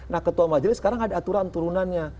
nah ketua majelis sekarang ada aturan turunannya